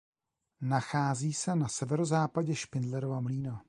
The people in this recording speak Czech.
Nachází se na severozápadě Špindlerova Mlýna.